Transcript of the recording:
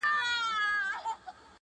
عبث دي راته له زلفو نه دام راوړ,